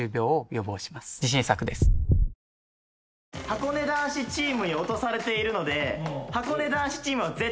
はこね男子チームに落とされているので。